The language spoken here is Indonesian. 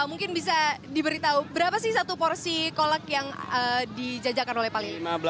mungkin bisa diberitahu berapa sih satu porsi kolak yang dijajakan oleh pali